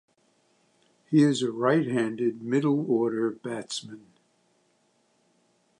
He is a right-handed middle-order batsman.